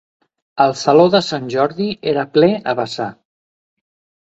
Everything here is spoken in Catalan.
El Saló de Sant Jordi era ple a vessar.